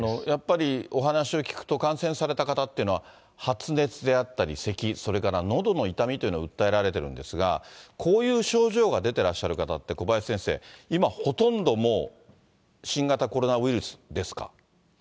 やっぱり、お話を聞くと、感染された方っていうのは、発熱であったり、せき、それからのどの痛みというのを訴えられているんですが、こういう症状が出てらっしゃる方って、小林先生、今ほとんどもう、新型コロナウイルスですか？